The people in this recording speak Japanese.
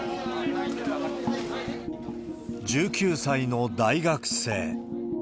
１９歳の大学生。